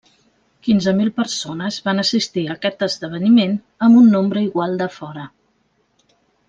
Quinze mil persones van assistir a aquest esdeveniment amb un nombre igual de fora.